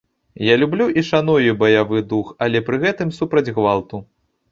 Я люблю і шаную баявы дух, але пры гэтым супраць гвалту.